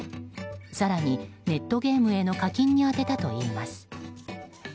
更に、ネットゲームへの課金に充てたといいます。